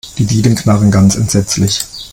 Die Dielen knarren ganz entsetzlich.